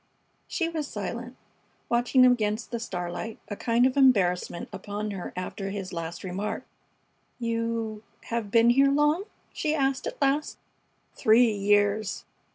She was silent, watching him against the starlight, a kind of embarrassment upon her after his last remark. "You have been here long?" she asked, at last. "Three years."